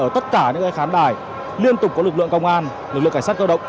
ở tất cả những khán bài liên tục có lực lượng công an lực lượng cảnh sát cơ động